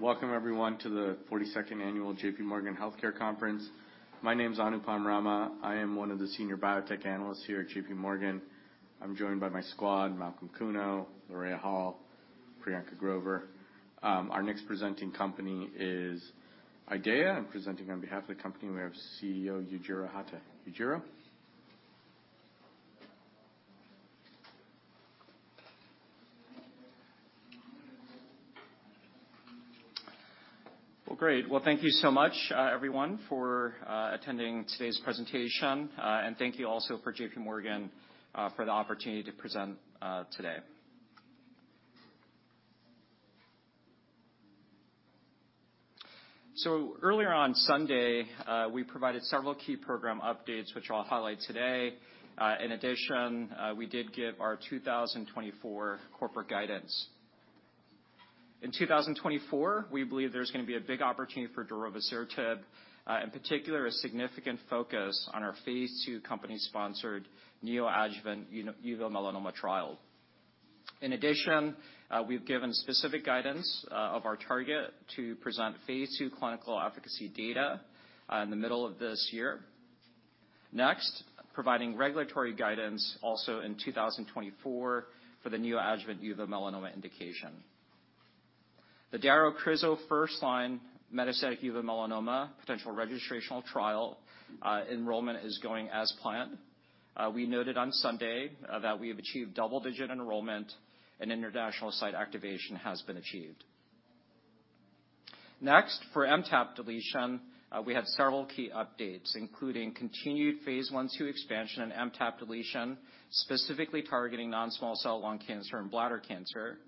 Welcome everyone to the 42nd annual J.P. Morgan Healthcare conference. My name is Anupam Rama. I am one of the senior biotech analysts here at J.P. Morgan. I'm joined by my squad, Malcolm Kuno, Lorea Hall, Priyanka Grover. Our next presenting company is IDEAYA, and presenting on behalf of the company, we have CEO, Yujiro Hata. Yujiro? Well, great. Well, thank you so much, everyone, for attending today's presentation. And thank you also for J.P. Morgan for the opportunity to present today. So earlier on Sunday, we provided several key program updates, which I'll highlight today. In addition, we did give our 2024 corporate guidance. In 2024, we believe there's gonna be a big opportunity for darovasertib, in particular, a significant focus on Phase 3 company-sponsored neoadjuvant uveal melanoma trial. In addition, we've given specific guidance of our target to Phase 3 clinical efficacy data in the middle of this year. Next, providing regulatory guidance also in 2024 for the neoadjuvant uveal melanoma indication. The darovasertib first-line metastatic uveal melanoma potential registrational trial enrollment is going as planned. We noted on Sunday that we have achieved double-digit enrollment and international site activation has been achieved. Next, for MTAP deletion, we have several key updates, including continued Phase 1/2 expansion in MTAP deletion, specifically targeting non-small cell lung cancer and bladder cancer.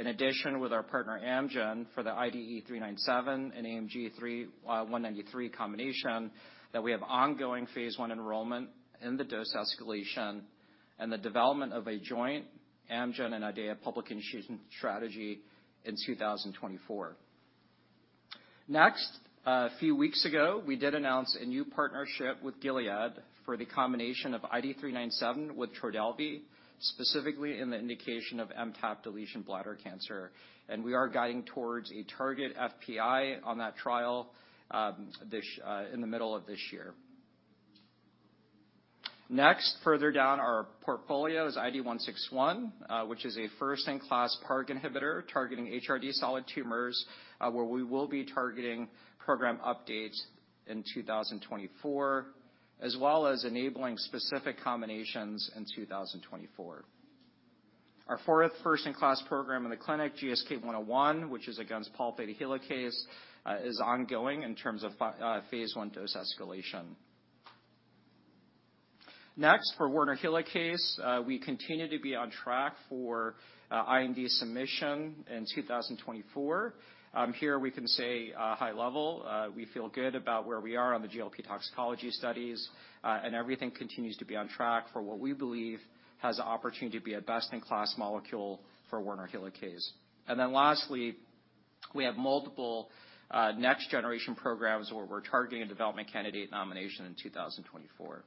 In addition, with our partner Amgen, for the IDE397 and AMG 193 combination, that we have ongoing Phase 1 enrollment in the dose escalation and the development of a joint Amgen and IDEAYA public initiative strategy in 2024. Next, a few weeks ago, we did announce a new partnership with Gilead for the combination of IDE397 with Trodelvy, specifically in the indication of MTAP deletion bladder cancer, and we are guiding towards a target FPI on that trial, in the middle of this year. Next, further down our portfolio is IDE161, which is a first-in-class PARP inhibitor, targeting HRD solid tumors, where we will be targeting program updates in 2024, as well as enabling specific combinations in 2024. Our fourth first-in-class program in the clinic, GSK101, which is against Pol Theta helicase, is ongoing in terms of Phase 1 dose escalation. Next, for Werner helicase, we continue to be on track for IND submission in 2024. Here we can say, high level, we feel good about where we are on the GLP toxicology studies, and everything continues to be on track for what we believe has the opportunity to be a best-in-class molecule for Werner helicase. And then lastly, we have multiple next-generation programs where we're targeting a development candidate nomination in 2024.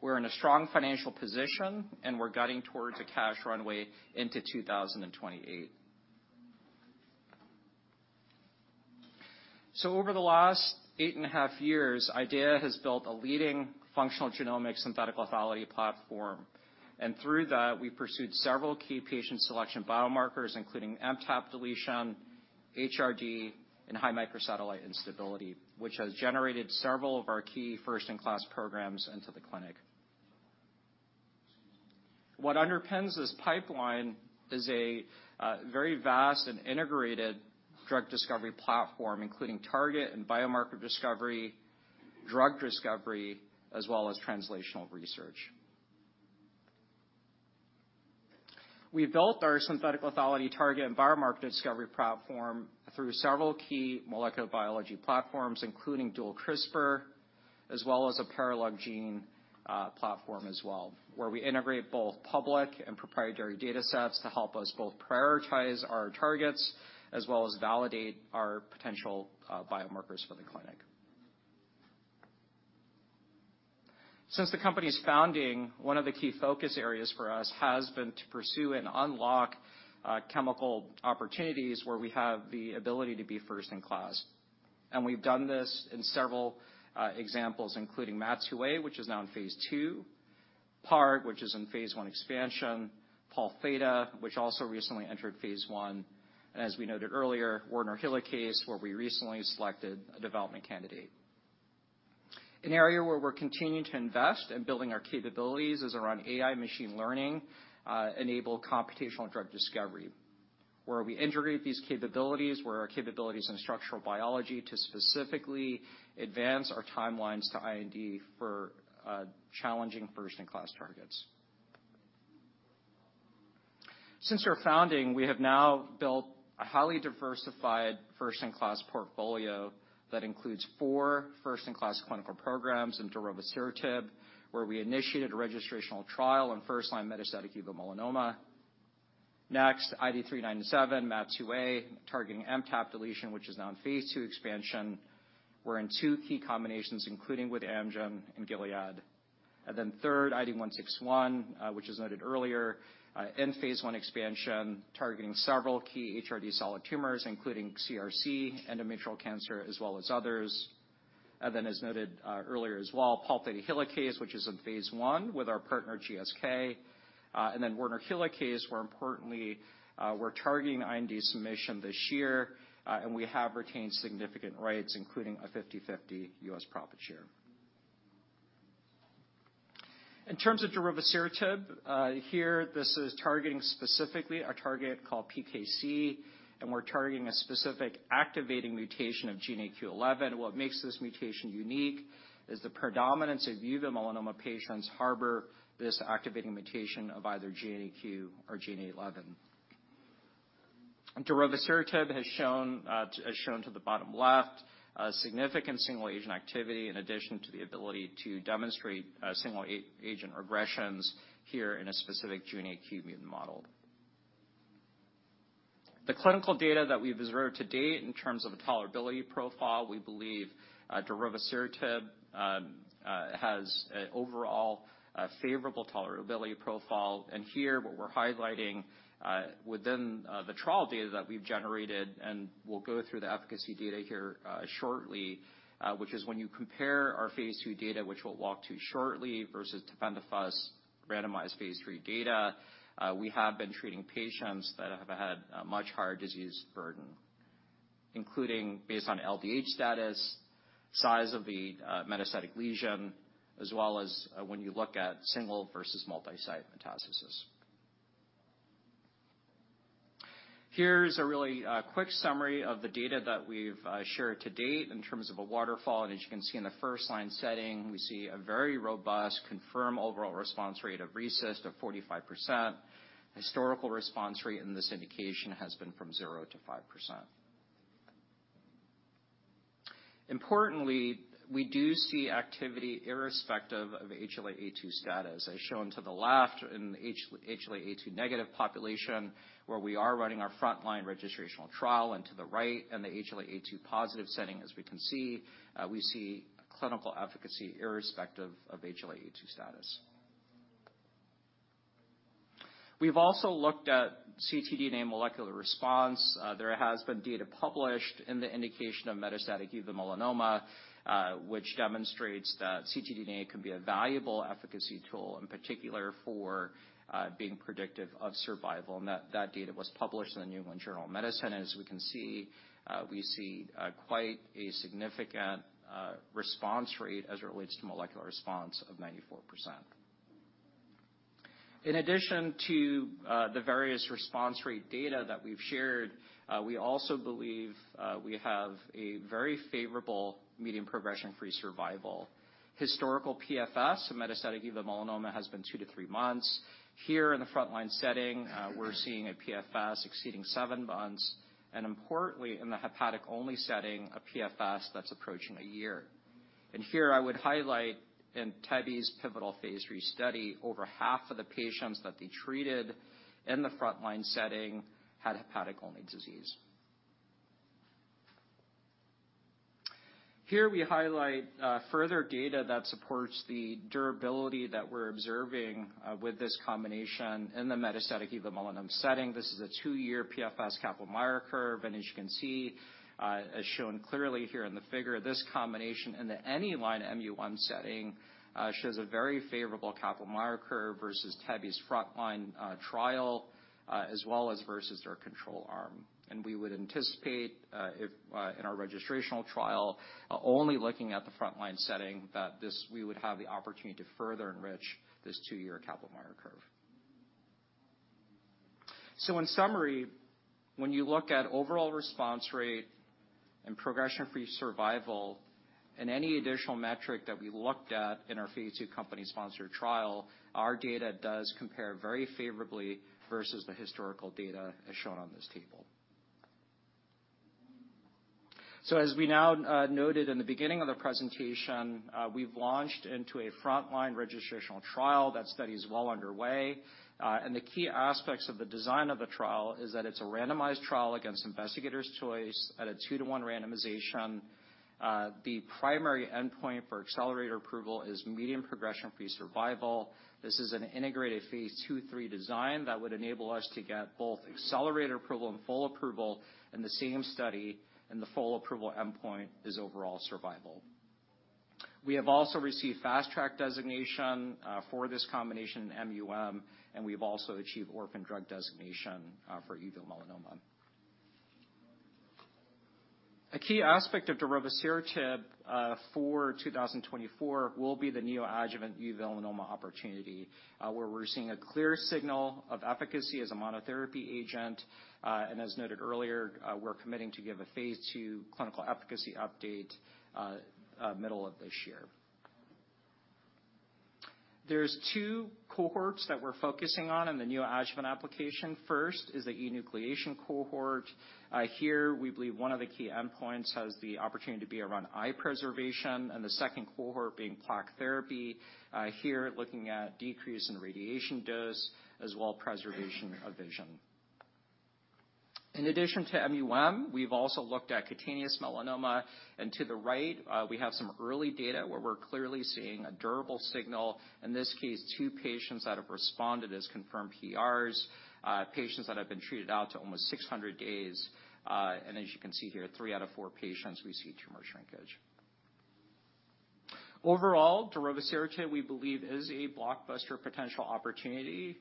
We're in a strong financial position, and we're guiding towards a cash runway into 2028. So over the last 8.5 years, IDEAYA has built a leading functional genomics synthetic lethality platform, and through that, we pursued several key patient selection biomarkers, including MTAP deletion, HRD, and high microsatellite instability, which has generated several of our key first-in-class programs into the clinic. What underpins this pipeline is a very vast and integrated drug discovery platform, including target and biomarker discovery, drug discovery, as well as translational research. We built our synthetic lethality target and biomarker discovery platform through several key molecular biology platforms, including dual CRISPR, as well as a paralog gene platform as well, where we integrate both public and proprietary datasets to help us both prioritize our targets, as well as validate our potential biomarkers for the clinic. Since the company's founding, one of the key focus areas for us has been to pursue and unlock chemical opportunities where we have the ability to be first in class. And we've done this in several examples, including MAT2A, which is now Phase 3, PARP, which is in Phase 1 expansion, Pol Theta, which also recently entered Phase 1, and as we noted earlier, Werner helicase, where we recently selected a development candidate. An area where we're continuing to invest in building our capabilities is around AI machine learning, enable computational drug discovery, where we integrate these capabilities, where our capabilities in structural biology to specifically advance our timelines to IND for, challenging first-in-class targets. Since our founding, we have now built a highly diversified, first-in-class portfolio that includes four first-in-class clinical programs in darovasertib, where we initiated a registrational trial on first-line metastatic uveal melanoma. Next, IDE397-MAT2A, targeting MTAP deletion, which is now Phase 3 expansion. We're in two key combinations, including with Amgen and Gilead. And then third, IDE161, which is noted earlier, in phase 1 expansion, targeting several key HRD solid tumors, including CRC, endometrial cancer, as well as others. And then, as noted, earlier as well, Pol Theta helicase, which is in phase 1 with our partner GSK. And then Werner helicase, where importantly, we're targeting IND submission this year, and we have retained significant rights, including a 50/50 U.S. profit share. In terms of darovasertib, here, this is targeting specifically a target called PKC, and we're targeting a specific activating mutation of GNA11. What makes this mutation unique is the predominance of uveal melanoma patients harbor this activating mutation of either GNAQ or GNA11. Darovasertib has shown, as shown to the bottom left, a significant single-agent activity, in addition to the ability to demonstrate, single-agent regressions here in a specific GNAQ mutant model. The clinical data that we've observed to date in terms of a tolerability profile, we believe, darovasertib, has an overall, favorable tolerability profile. Here, what we're highlighting within the trial data that we've generated, and we'll go through the efficacy data here shortly, which is when you compare our Phase 3 data, which we'll walk through shortly, versus tebentafusp's randomized Phase 3 data, we have been treating patients that have had a much higher disease burden, including based on LDH status, size of the metastatic lesion, as well as when you look at single versus multi-site metastasis. Here's a really quick summary of the data that we've shared to date in terms of a waterfall. And as you can see in the first line setting, we see a very robust, confirmed overall response rate of 45%. Historical response rate in this indication has been from 0%-5%. Importantly, we do see activity irrespective of HLA-A2 status. As shown to the left in HLA-A2 negative population, where we are running our frontline registrational trial, and to the right in the HLA-A2 positive setting, as we can see, we see clinical efficacy irrespective of HLA-A2 status. We've also looked at ctDNA molecular response. There has been data published in the indication of metastatic uveal melanoma, which demonstrates that ctDNA can be a valuable efficacy tool, in particular for being predictive of survival, and that data was published in the New England Journal of Medicine. As we can see, we see quite a significant response rate as it relates to molecular response of 94%. In addition to the various response rate data that we've shared, we also believe we have a very favorable median progression-free survival. Historical PFS in metastatic uveal melanoma has been 2-3 months. Here in the frontline setting, we're seeing a PFS exceeding seven months, and importantly, in the hepatic-only setting, a PFS that's approaching a year. Here I would highlight in Teva's pivotal Phase 3 study, over half of the patients that they treated in the frontline setting had hepatic-only disease. Here we highlight further data that supports the durability that we're observing with this combination in the metastatic uveal melanoma setting. This is a two-year PFS Kaplan-Meier curve, and as you can see, as shown clearly here in the figure, this combination in the any line mUM setting shows a very favorable Kaplan-Meier curve versus Teva's frontline trial as well as versus their control arm. We would anticipate, if, in our registrational trial, only looking at the frontline setting, that we would have the opportunity to further enrich this two-year Kaplan-Meier curve. So in summary, when you look at overall response rate and progression-free survival and any additional metric that we looked at in our Phase 3 company sponsor trial, our data does compare very favorably versus the historical data as shown on this table. So as we now noted in the beginning of the presentation, we've launched into a frontline registrational trial. That study is well underway, and the key aspects of the design of the trial is that it's a randomized trial against investigator's choice at a 2:1 randomization. The primary endpoint for accelerated approval is median progression-free survival. This is an integrated Phase 2, Phase 3 design that would enable us to get both accelerator approval and full approval in the same study, and the full approval endpoint is overall survival. We have also received fast track designation for this combination in mUM, and we've also achieved orphan drug designation for uveal melanoma. A key aspect of darovasertib for 2024 will be the neoadjuvant uveal melanoma opportunity, where we're seeing a clear signal of efficacy as a monotherapy agent, and as noted earlier, we're committing to give a Phase 3 clinical efficacy update middle of this year. There's two cohorts that we're focusing on in the neoadjuvant application. First is the enucleation cohort. Here, we believe one of the key endpoints has the opportunity to be around eye preservation, and the second cohort being plaque therapy. Here, looking at decrease in radiation dose as well preservation of vision. In addition to mUM, we've also looked at cutaneous melanoma, and to the right, we have some early data where we're clearly seeing a durable signal. In this case, two patients that have responded as confirmed PRs, patients that have been treated out to almost 600 days. And as you can see here, three out of four patients, we see tumor shrinkage. Overall, darovasertib, we believe, is a blockbuster potential opportunity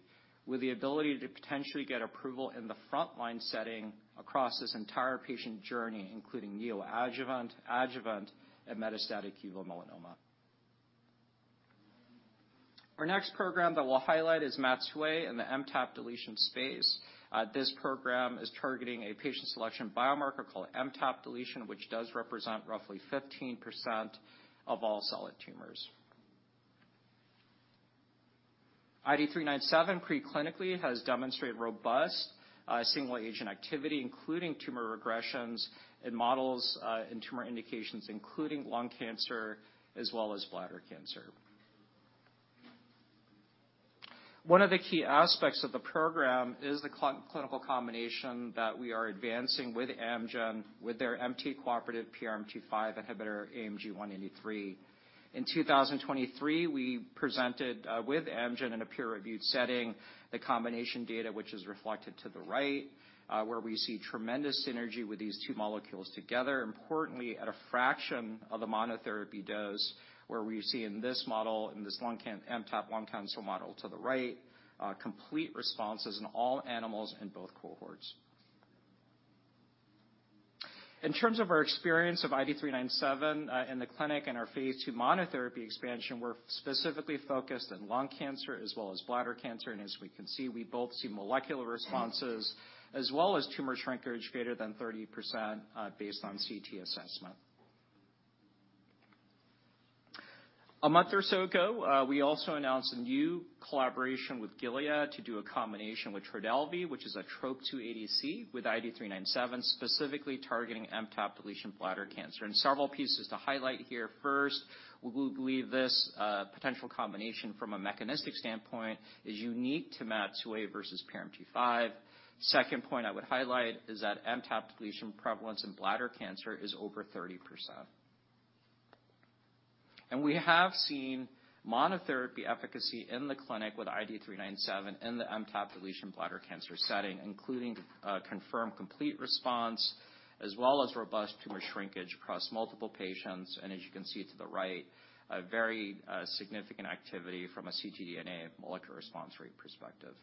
with the ability to potentially get approval in the frontline setting across this entire patient journey, including neoadjuvant, adjuvant, and metastatic uveal melanoma. Our next program that we'll highlight is MAT2A in the MTAP deletion space. This program is targeting a patient selection biomarker called MTAP deletion, which does represent roughly 15% of all solid tumors. IDE397 pre-clinically has demonstrated robust, single agent activity, including tumor regressions in models, and tumor indications, including lung cancer as well as bladder cancer. One of the key aspects of the program is the clinical combination that we are advancing with Amgen, with their MTA-cooperative PRMT5 inhibitor, AMG 193. In 2023, we presented, with Amgen in a peer-reviewed setting, the combination data, which is reflected to the right, where we see tremendous synergy with these two molecules together, importantly, at a fraction of the monotherapy dose, where we see in this model, in this MTAP lung cancer model to the right, complete responses in all animals in both cohorts. In terms of our experience of IDE397 in the clinic and our Phase 3 monotherapy expansion, we're specifically focused in lung cancer as well as bladder cancer, and as we can see, we both see molecular responses as well as tumor shrinkage greater than 30%, based on CT assessment. A month or so ago, we also announced a new collaboration with Gilead to do a combination with Trodelvy, which is a Trop-2 ADC, with IDE397, specifically targeting MTAP deletion bladder cancer. Several pieces to highlight here. First, we believe this potential combination from a mechanistic standpoint is unique to MAT2A versus PRMT5. Second point I would highlight is that MTAP deletion prevalence in bladder cancer is over 30%. We have seen monotherapy efficacy in the clinic with IDE397 in the MTAP deletion bladder cancer setting, including confirmed complete response as well as robust tumor shrinkage across multiple patients, and as you can see to the right, a very significant activity from a ctDNA molecular response rate perspective.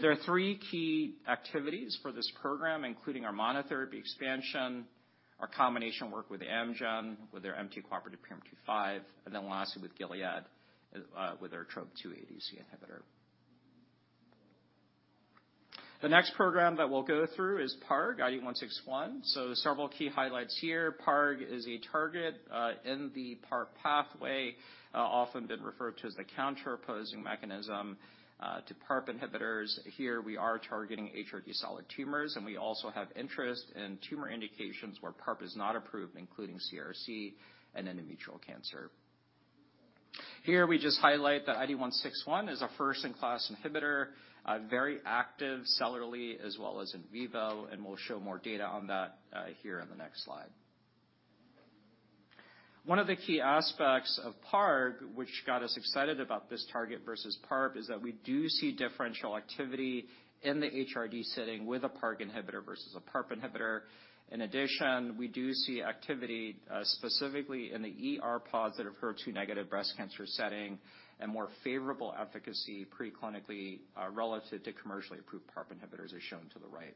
There are three key activities for this program, including our monotherapy expansion, our combination work with Amgen, with their MTA-cooperative PRMT5, and then lastly with Gilead, with their Trop-2 ADC inhibitor. The next program that we'll go through is PARG, IDE161. Several key highlights here. PARG is a target in the PARP pathway, often been referred to as the counter opposing mechanism to PARP inhibitors. Here, we are targeting HRD solid tumors, and we also have interest in tumor indications where PARP is not approved, including CRC and endometrial cancer. Here, we just highlight that IDE161 is a first-in-class inhibitor, very active cellularly as well as in vivo, and we'll show more data on that, here in the next slide. One of the key aspects of PARG, which got us excited about this target versus PARP, is that we do see differential activity in the HRD setting with a PARG inhibitor versus a PARP inhibitor. In addition, we do see activity, specifically in the ER-positive, HER2-negative breast cancer setting, and more favorable efficacy pre-clinically, relative to commercially approved PARP inhibitors, as shown to the right.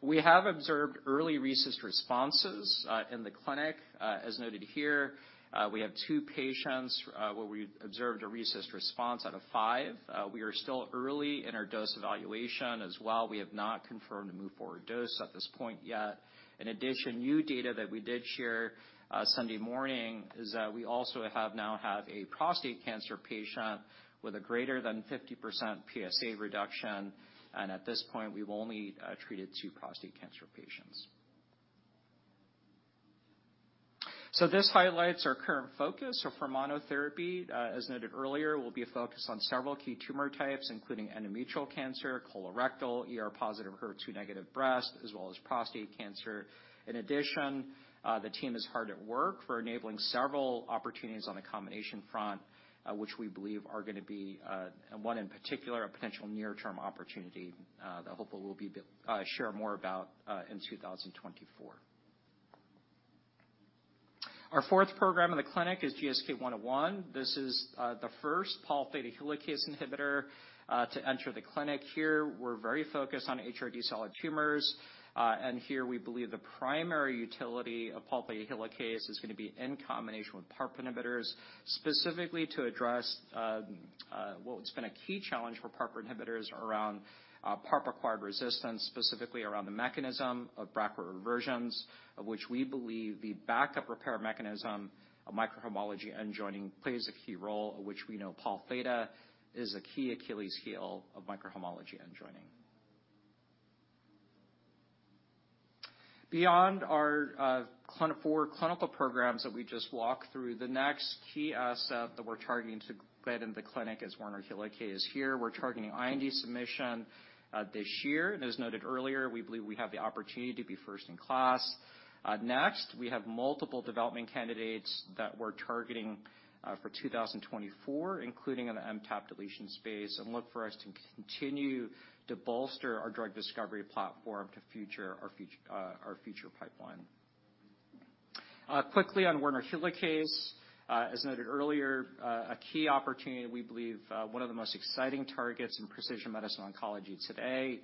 We have observed early RECIST responses, in the clinic. As noted here, we have two patients where we observed a RECIST response out of five. We are still early in our dose evaluation as well. We have not confirmed a move forward dose at this point yet. In addition, new data that we did share Sunday morning is that we also have now have a prostate cancer patient with a greater than 50% PSA reduction, and at this point, we've only treated two prostate cancer patients. So this highlights our current focus. So for monotherapy, as noted earlier, we'll be focused on several key tumor types, including endometrial cancer, colorectal, ER-positive, HER2-negative breast, as well as prostate cancer. In addition, the team is hard at work for enabling several opportunities on the combination front, which we believe are gonna be, one in particular, a potential near-term opportunity, that hopefully we'll be share more about in 2024. Our fourth program in the clinic is GSK101. This is the first Pol Theta helicase inhibitor to enter the clinic. Here, we're very focused on HRD solid tumors, and here we believe the primary utility of Pol Theta helicase is gonna be in combination with PARP inhibitors, specifically to address, what's been a key challenge for PARP inhibitors around, PARP-acquired resistance, specifically around the mechanism of BRCA reversions, of which we believe the backup repair mechanism of microhomology-mediated end joining plays a key role, of which we know Pol Theta is a key Achilles' heel of microhomology-mediated end joining. Beyond our four clinical programs that we just walked through, the next key asset that we're targeting to get into the clinic is Werner helicase. Here, we're targeting IND submission, this year, and as noted earlier, we believe we have the opportunity to be first in class. Next, we have multiple development candidates that we're targeting for 2024, including in the MTAP deletion space, and look for us to continue to bolster our drug discovery platform to our future pipeline. Quickly, on Werner helicase, as noted earlier, a key opportunity, we believe, one of the most exciting targets in precision medicine oncology today.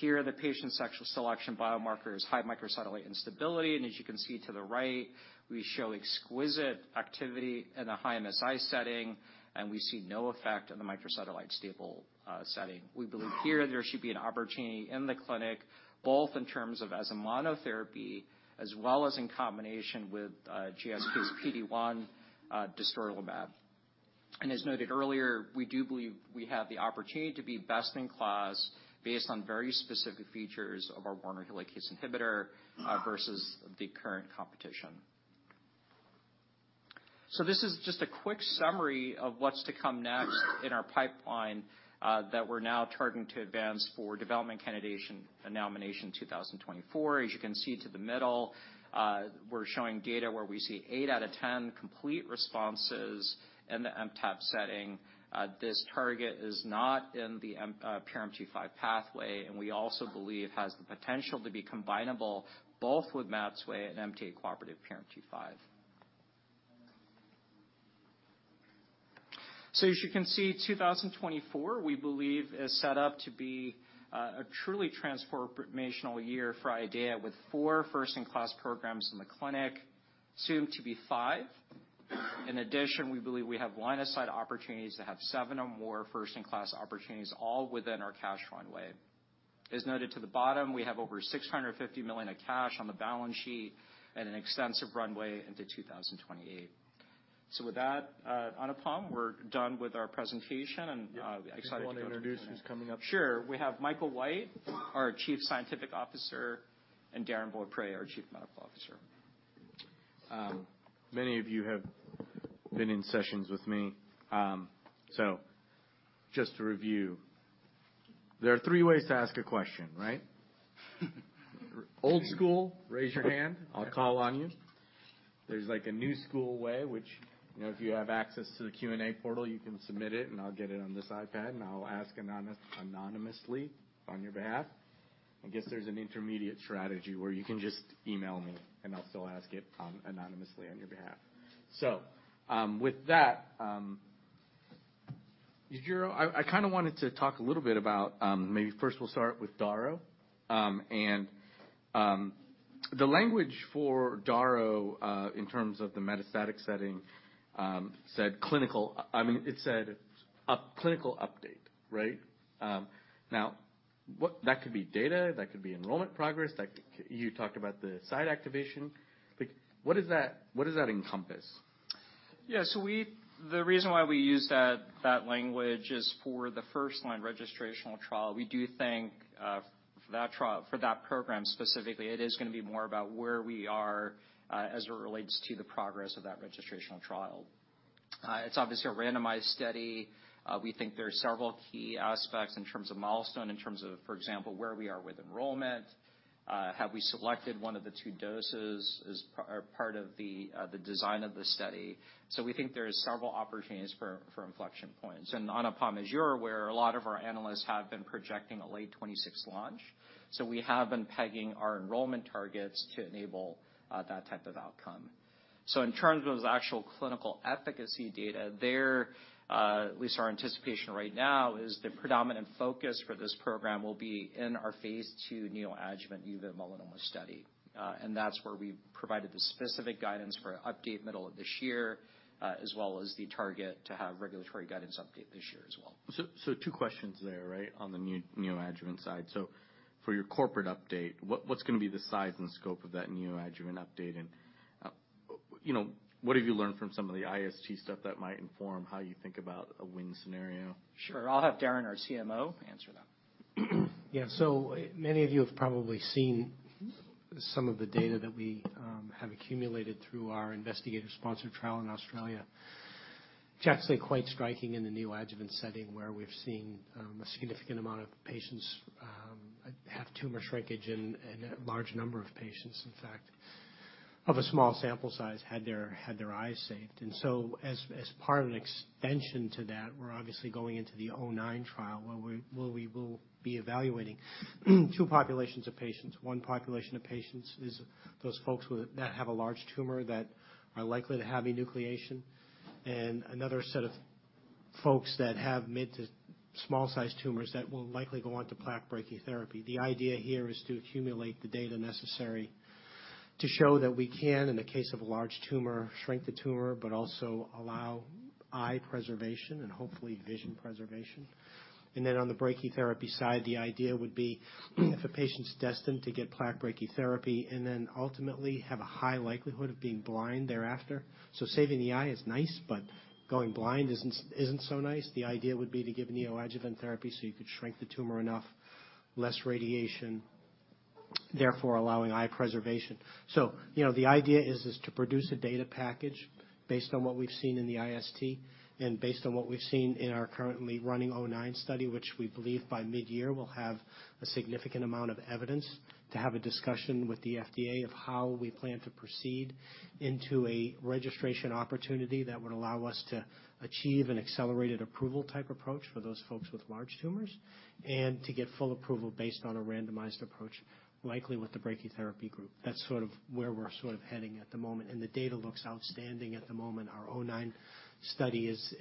Here, the patient selection biomarker is high microsatellite instability, and as you can see to the right, we show exquisite activity in a high MSI setting, and we see no effect on the microsatellite stable setting. We believe here, there should be an opportunity in the clinic, both in terms of as a monotherapy, as well as in combination with GSK's PD-1, dostarlimab. As noted earlier, we do believe we have the opportunity to be best in class based on very specific features of our Werner helicase inhibitor versus the current competition. So this is just a quick summary of what's to come next in our pipeline that we're now targeting to advance for development candidate nomination in 2024. As you can see to the middle, we're showing data where we see eight out of 10 complete responses in the MTAP setting. This target is not in the PRMT5 pathway, and we also believe has the potential to be combinable both with MAT2A and MTA-cooperative PRMT5. So as you can see, 2024, we believe, is set up to be a truly transformational year for IDEAYA, with four first-in-class programs in the clinic, soon to be five. In addition, we believe we have line-of-sight opportunities to have seven or more first-in-class opportunities, all within our cash runway. As noted to the bottom, we have over $650 million of cash on the balance sheet and an extensive runway into 2028. So with that, Anupam, we're done with our presentation, and excited to. Yeah. Do you want to introduce who's coming up? Sure. We have Michael White, our Chief Scientific Officer, and Darrin Beaupre, our Chief Medical Officer. Many of you have been in sessions with me. So just to review, there are three ways to ask a question, right? Old school, raise your hand, I'll call on you. There's, like, a new school way, which, you know, if you have access to the Q&A portal, you can submit it, and I'll get it on this iPad, and I'll ask anonymously on your behalf. I guess there's an intermediate strategy where you can just email me, and I'll still ask it, anonymously on your behalf. So, with that, Yujiro, I kind of wanted to talk a little bit about, maybe first we'll start with DARO. And, the language for DARO, in terms of the metastatic setting, said clinical, I mean, it said a clinical update, right? Now, that could be data, that could be enrollment progress, you talked about the site activation, like, what does that, what does that encompass? Yeah, so the reason why we use that language is for the first line registrational trial. We do think, for that trial, for that program specifically, it is gonna be more about where we are, as it relates to the progress of that registrational trial. It's obviously a randomized study. We think there are several key aspects in terms of milestone, in terms of, for example, where we are with enrollment, have we selected one of the two doses, as part of the design of the study? So we think there are several opportunities for inflection points. And Anupam, as you're aware, a lot of our analysts have been projecting a late 2026 launch, so we have been pegging our enrollment targets to enable that type of outcome. So in terms of the actual clinical efficacy data, there, at least our anticipation right now, is the predominant focus for this program will be in our Phase 3 neoadjuvant uveal melanoma study. And that's where we've provided the specific guidance for an update middle of this year, as well as the target to have regulatory guidance update this year as well. So two questions there, right, on the neoadjuvant side. So for your corporate update, what's gonna be the size and scope of that neoadjuvant update? And you know, what have you learned from some of the IST stuff that might inform how you think about a win scenario? Sure. I'll have Darrin, our CMO, answer that. Yeah. So many of you have probably seen some of the data that we have accumulated through our investigator-sponsored trial in Australia. It's actually quite striking in the neoadjuvant setting, where we've seen a significant amount of patients have tumor shrinkage and a large number of patients, in fact, of a small sample size, had their eyes saved. And so as part of an extension to that, we're obviously going into the O09 trial, where we will be evaluating two populations of patients. One population of patients is those folks with that have a large tumor that are likely to have enucleation, and another set of folks that have mid to small-sized tumors that will likely go on to plaque brachytherapy. The idea here is to accumulate the data necessary to show that we can, in the case of a large tumor, shrink the tumor, but also allow eye preservation and hopefully vision preservation. And then on the brachytherapy side, the idea would be, if a patient's destined to get plaque brachytherapy, and then ultimately have a high likelihood of being blind thereafter, so saving the eye is nice, but going blind isn't, isn't so nice. The idea would be to give neoadjuvant therapy, so you could shrink the tumor enough, less radiation. Therefore allowing eye preservation. So, you know, the idea is to produce a data package based on what we've seen in the IST, and based on what we've seen in our currently running O09 study, which we believe by midyear will have a significant amount of evidence to have a discussion with the FDA of how we plan to proceed into a registration opportunity that would allow us to achieve an accelerated approval type approach for those folks with large tumors, and to get full approval based on a randomized approach, likely with the brachytherapy group. That's sort of where we're sort of heading at the moment, and the data looks outstanding at the moment. Our O09 study is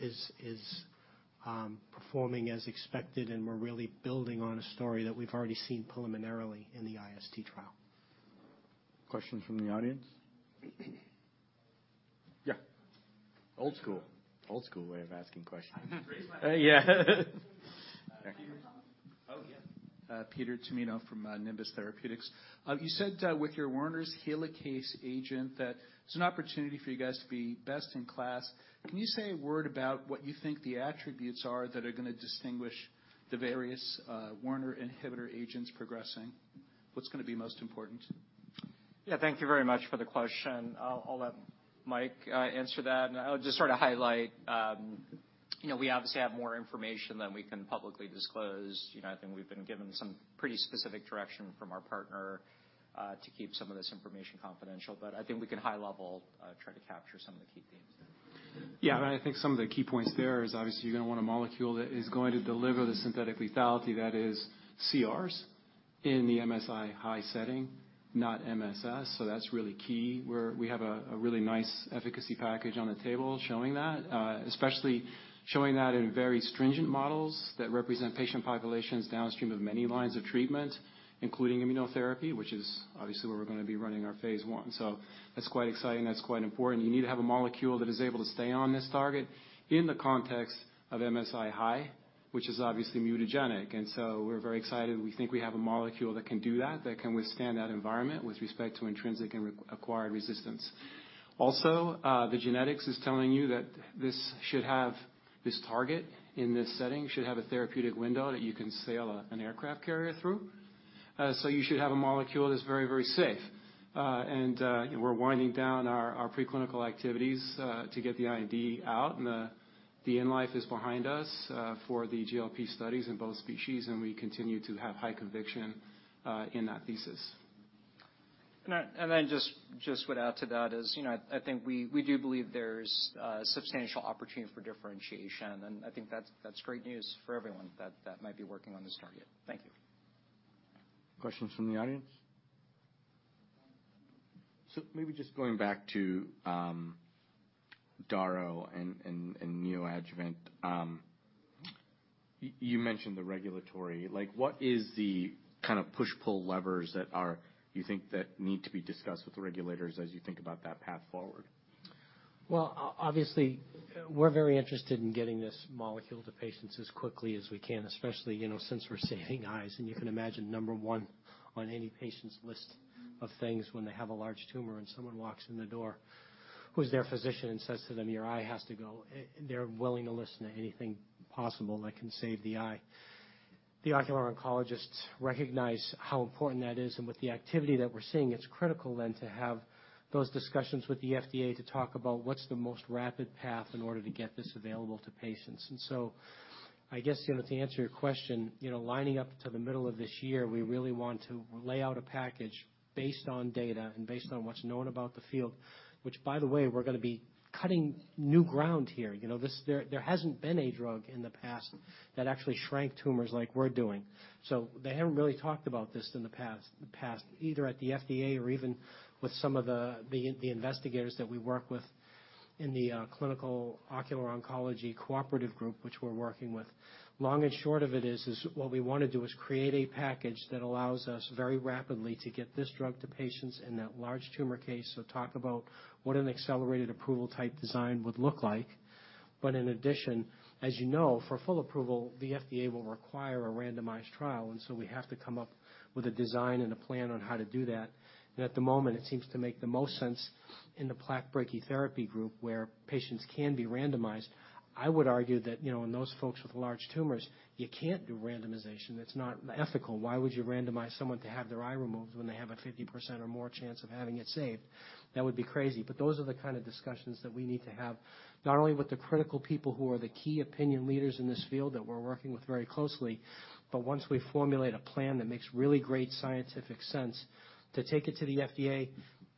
performing as expected, and we're really building on a story that we've already seen preliminarily in the IST trial. Questions from the audience? Yeah. Old school. Old school way of asking questions. Just raise my hand. Yeah. Thank you. Oh, yeah. Peter Tummino from Nimbus Therapeutics. You said, with your Werner helicase agent, that there's an opportunity for you guys to be best in class. Can you say a word about what you think the attributes are that are gonna distinguish the various Werner inhibitor agents progressing? What's gonna be most important? Yeah, thank you very much for the question. I'll let Mike answer that. And I would just sort of highlight, you know, we obviously have more information than we can publicly disclose. You know, I think we've been given some pretty specific direction from our partner to keep some of this information confidential, but I think we can high level try to capture some of the key themes there. Yeah, and I think some of the key points there is, obviously, you're gonna want a molecule that is going to deliver the synthetic lethality that is CRs in the MSI-H setting, not MSS, so that's really key, where we have a really nice efficacy package on the table showing that. Especially showing that in very stringent models that represent patient populations downstream of many lines of treatment, including immunotherapy, which is obviously where we're gonna be running our phase one. So that's quite exciting. That's quite important. You need to have a molecule that is able to stay on this target in the context of MSI-H, which is obviously mutagenic, and so we're very excited. We think we have a molecule that can do that, that can withstand that environment with respect to intrinsic and re-acquired resistance. Also, the genetics is telling you that this should have. This target in this setting should have a therapeutic window that you can sail an aircraft carrier through. So you should have a molecule that's very, very safe. And we're winding down our preclinical activities to get the IND out, and the in-life is behind us for the GLP studies in both species, and we continue to have high conviction in that thesis. And then just would add to that is, you know, I think we do believe there's substantial opportunity for differentiation, and I think that's great news for everyone that might be working on this target. Thank you. Questions from the audience? So maybe just going back to DARO and neoadjuvant. You mentioned the regulatory. Like, what is the kind of push-pull levers that are, you think, that need to be discussed with the regulators as you think about that path forward? Well, obviously, we're very interested in getting this molecule to patients as quickly as we can, especially, you know, since we're saving eyes, and you can imagine, number one, on any patient's list of things when they have a large tumor and someone walks in the door, who's their physician, and says to them, "Your eye has to go." they're willing to listen to anything possible that can save the eye. The ocular oncologists recognize how important that is, and with the activity that we're seeing, it's critical then to have those discussions with the FDA to talk about what's the most rapid path in order to get this available to patients. So I guess, you know, to answer your question, you know, lining up to the middle of this year, we really want to lay out a package based on data and based on what's known about the field, which, by the way, we're gonna be cutting new ground here. You know, this. There hasn't been a drug in the past that actually shrank tumors like we're doing. So they haven't really talked about this in the past, either at the FDA or even with some of the investigators that we work with in the Clinical Ocular Oncology Cooperative Group, which we're working with. Long and short of it is, what we wanna do is create a package that allows us very rapidly to get this drug to patients in that large tumor case, so talk about what an accelerated approval type design would look like. But in addition, as you know, for full approval, the FDA will require a randomized trial, and so we have to come up with a design and a plan on how to do that. At the moment, it seems to make the most sense in the plaque brachytherapy group, where patients can be randomized. I would argue that, you know, in those folks with large tumors, you can't do randomization. It's not ethical. Why would you randomize someone to have their eye removed when they have a 50% or more chance of having it saved? That would be crazy. But those are the kind of discussions that we need to have, not only with the critical people who are the key opinion leaders in this field that we're working with very closely, but once we formulate a plan that makes really great scientific sense, to take it to the FDA,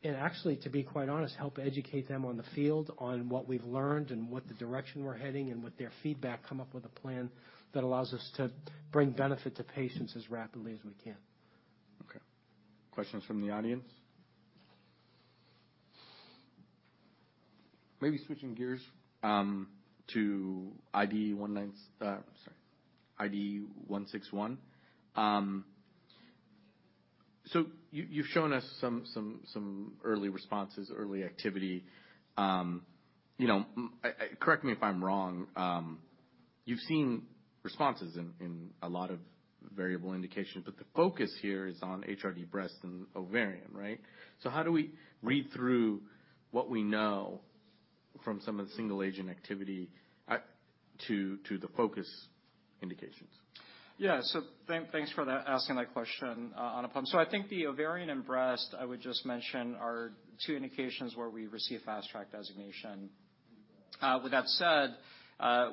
and actually, to be quite honest, help educate them on the field, on what we've learned and what the direction we're heading, and with their feedback, come up with a plan that allows us to bring benefit to patients as rapidly as we can. Okay. Questions from the audience? Maybe switching gears to IDE161. So you, you've shown us some early responses, early activity. You know, correct me if I'm wrong, you've seen responses in a lot of variable indications, but the focus here is on HRD breast and ovarian, right? So how do we read through what we know from some of the single-agent activity to the focus indications? Yeah. So thank, thanks for that, asking that question, Anupam. So I think the ovarian and breast, I would just mention, are two indications where we received fast-track designation. With that said,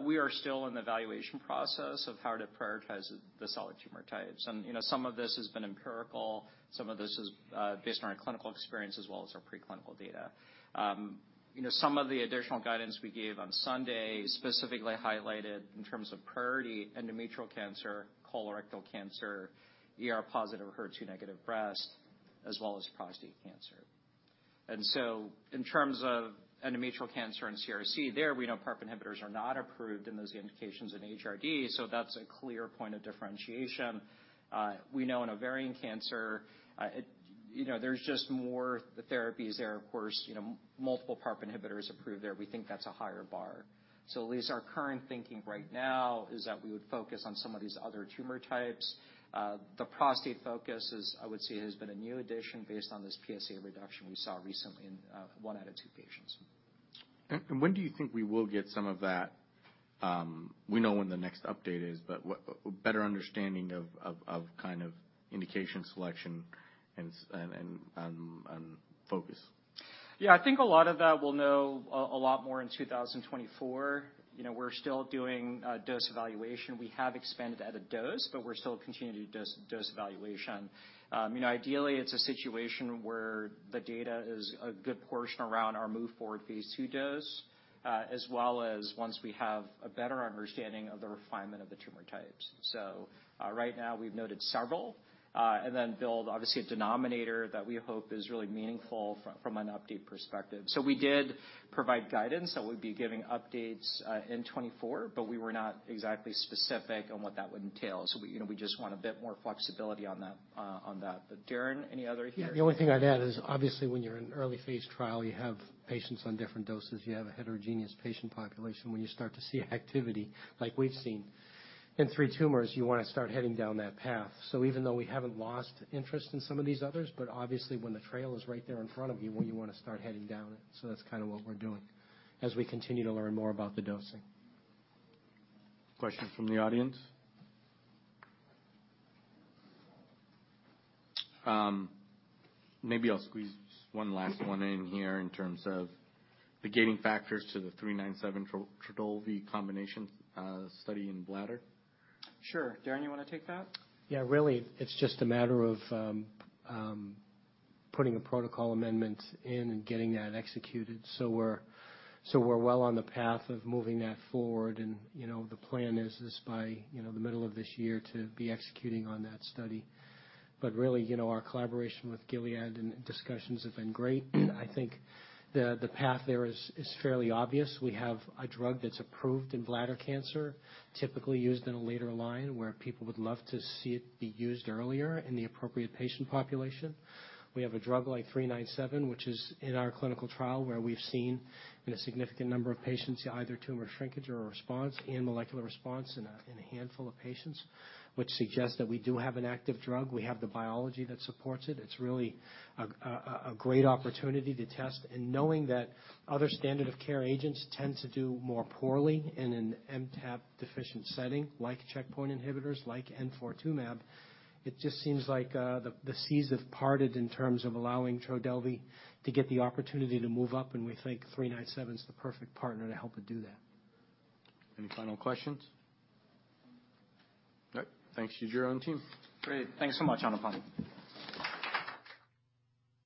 we are still in the evaluation process of how to prioritize the solid tumor types. And, you know, some of this has been empirical, some of this is, based on our clinical experience as well as our preclinical data. You know, some of the additional guidance we gave on Sunday specifically highlighted, in terms of priority, endometrial cancer, colorectal cancer, ER-positive, HER2-negative breast, as well as prostate cancer. And so in terms of endometrial cancer and CRC, there, we know PARP inhibitors are not approved in those indications in HRD, so that's a clear point of differentiation. We know in ovarian cancer, you know, there's just more therapies there, of course, you know, multiple PARP inhibitors approved there. We think that's a higher bar. So at least our current thinking right now is that we would focus on some of these other tumor types. The prostate focus is, I would say, has been a new addition based on this PSA reduction we saw recently in one out of two patients. When do you think we will get some of that? We know when the next update is, but a better understanding of kind of indication selection and focus? Yeah, I think a lot of that, we'll know a lot more in 2024. You know, we're still doing dose evaluation. We have expanded at a dose, but we're still continuing to do dose, dose evaluation. You know, ideally, it's a situation where the data is a good portion around our move Phase 3 dose, as well as once we have a better understanding of the refinement of the tumor types. So, right now, we've noted several, and then build, obviously, a denominator that we hope is really meaningful from an update perspective. So we did provide guidance that we'd be giving updates in 2024, but we were not exactly specific on what that would entail. So, you know, we just want a bit more flexibility on that, on that. But Darrin, any other here? Yeah, the only thing I'd add is, obviously, when you're in an early phase trial, you have patients on different doses. You have a heterogeneous patient population. When you start to see activity like we've seen in three tumors, you wanna start heading down that path. So even though we haven't lost interest in some of these others, but obviously, when the trail is right there in front of you, well, you wanna start heading down it. So that's kinda what we're doing, as we continue to learn more about the dosing. Questions from the audience? Maybe I'll squeeze just one last one in here in terms of the gating factors to the IDE397 Trodelvy combination, study in bladder. Sure. Darrin, you wanna take that? Yeah, really, it's just a matter of putting a protocol amendment in and getting that executed. So we're well on the path of moving that forward. And, you know, the plan is by, you know, the middle of this year to be executing on that study. But really, you know, our collaboration with Gilead and discussions have been great. I think the path there is fairly obvious. We have a drug that's approved in bladder cancer, typically used in a later line, where people would love to see it be used earlier in the appropriate patient population. We have a drug like IDE397, which is in our clinical trial, where we've seen, in a significant number of patients, either tumor shrinkage or a response, and molecular response in a handful of patients, which suggests that we do have an active drug. We have the biology that supports it. It's really a great opportunity to test. And knowing that other standard of care agents tend to do more poorly in an MTAP-deficient setting, like checkpoint inhibitors, like N42-mab, it just seems like the seas have parted in terms of allowing Trodelvy to get the opportunity to move up, and we think IDE397's the perfect partner to help it do that. Any final questions? All right. Thanks, Yujiro and team. Great. Thanks so much, Anupam.